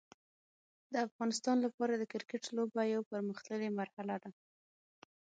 د افغانستان لپاره د کرکټ لوبه یو پرمختللی مرحله ده.